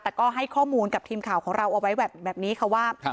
แต่ก็ให้ข้อมูลกับทีมข่าวของเราเอาไว้แบบนี้ค่ะว่า